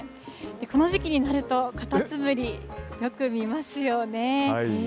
この時期になると、カタツムリ、よく見ますよね。